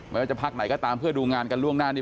ไม่ว่าจะพักไหนก็ตามเพื่อดูงานกันล่วงหน้านี้